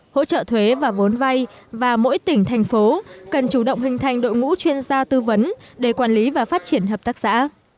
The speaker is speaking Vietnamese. hỗ trợ thuế và vốn vay và mỗi tỉnh thành phố cần chủ động hình thành đội ngũ chuyên gia tư vấn để quản lý và phát triển hợp tác xã